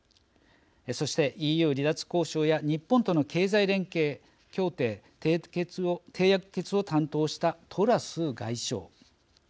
そして、ＥＵ離脱交渉や日本との経済連携協定締結を担当したトラス外相。